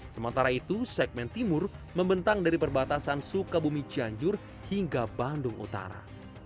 sementara itu segmen timur membentang dari perbatasan sukabumi cianjur hingga bandung utara